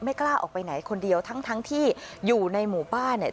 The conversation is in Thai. กล้าออกไปไหนคนเดียวทั้งทั้งที่อยู่ในหมู่บ้านเนี่ย